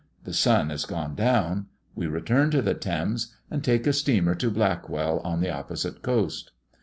The sun has gone down. We return to the Thames and take a steamer to Blackwall on the opposite coast.